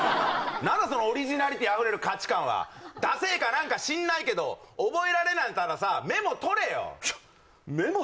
何だそのオリジナリティーあふれる価値観はダセえか何か知んないけど覚えられないんならさメモ取れよメモ